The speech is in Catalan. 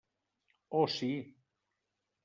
O sí.